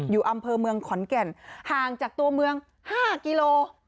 อยู่อำเภอเมืองขอนแก่นห่างจากตัวเมือง๕กิโล